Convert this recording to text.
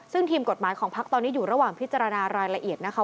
ซึ่งทีมกฎหมายของพักตอนนี้อยู่ระหว่างพิจารณารายละเอียดนะคะ